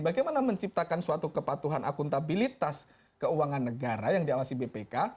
bagaimana menciptakan suatu kepatuhan akuntabilitas keuangan negara yang diawasi bpk